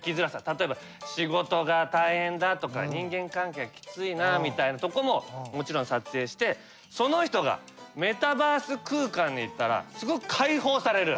例えば仕事が大変だとか人間関係がきついなみたいなとこももちろん撮影してその人がメタバース空間に行ったらすごく解放される。